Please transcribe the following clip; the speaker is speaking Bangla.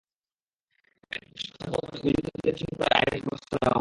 এরপর সেসব পর্যালোচনা করে অভিযুক্তদের চিহ্নিত করে আইনানুগ ব্যবস্থা নেওয়া হবে।